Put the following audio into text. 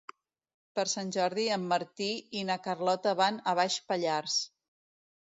Per Sant Jordi en Martí i na Carlota van a Baix Pallars.